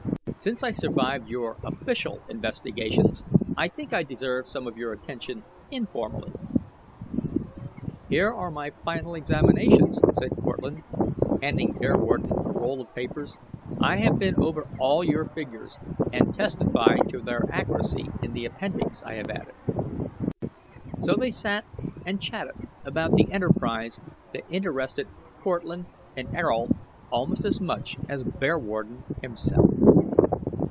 "Since I survived your official investigations, I think I deserve some of your attention informally." "Here are my final examinations," said Cortlandt, handing Bearwarden a roll of papers. "I have been over all your figures, and testify to their accuracy in the appendix I have added." So they sat and chatted about the enterprise that interested Cortlandt and Ayrault almost as much as Bearwarden himself.